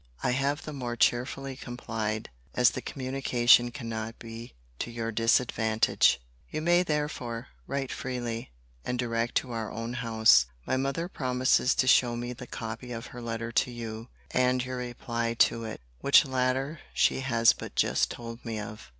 I have the more cheerfully complied, as the communication cannot be to your disadvantage. You may therefore write freely, and direct to our own house. My mother promises to show me the copy of her letter to you, and your reply to it; which latter she has but just told me of.